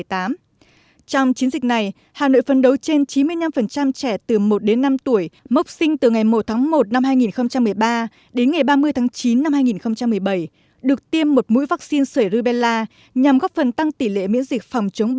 trong chiến dịch này hà nội phân đấu trên chín mươi năm trẻ từ một đến năm tuổi mốc sinh từ ngày một tháng một năm hai nghìn một mươi ba đến ngày ba mươi tháng chín năm hai nghìn một mươi bảy được tiêm một mũi vaccine sởi rubella nhằm góp phần tăng tỷ lệ miễn dịch phòng chống bệnh